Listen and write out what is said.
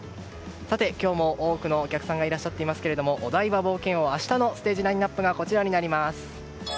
今日も多くのお客さんがいらっしゃっていますけれどもお台場冒険王明日のステージラインアップがこちらです。